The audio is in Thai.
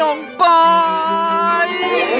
น้องปลอย